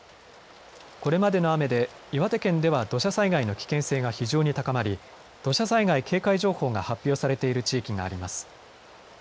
これまでの雨で岩手県では土砂災害の危険性が非常に高まり土砂災害警戒情報が発表されている地域があります。